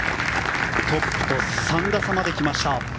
トップと３打差まで来ました。